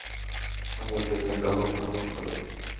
আমার দুনিয়া কালো, কালো, কালো!